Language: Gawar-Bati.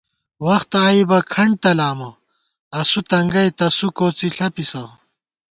وخت آئیبہ کھنٹ تلامہ، اسُو تنگَئ تسُو کوڅی ݪَپِسہ